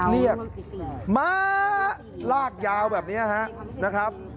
เรียกม้าลากยาวแบบนี้นะครับ